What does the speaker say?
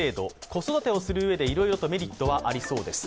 子育てをするうえでいろいろメリットがありそうです。